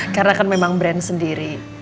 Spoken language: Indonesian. karena kan memang brand sendiri